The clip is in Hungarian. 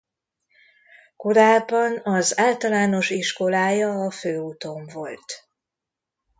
Korábban az általános iskolája a főúton volt.